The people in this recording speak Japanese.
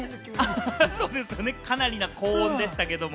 かなりな高音でしたけれども。